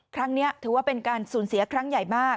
ครั้งนี้ถือว่าเป็นการสูญเสียครั้งใหญ่มาก